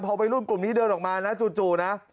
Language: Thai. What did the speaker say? พอวัยรุ่นกลุ่มนี้เดินออกมานะจู่นะ